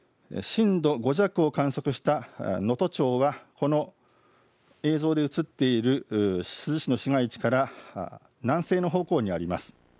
震度５弱を観測した能登町はこの映像で映っている珠洲市の市街地から南西の方向にあります。